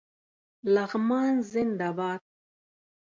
لغمان زنده باد